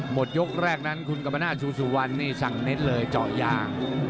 หมดยกแรกนั้นคุณกรรมนาศชูสุวรรณนี่สั่งเน้นเลยเจาะยาง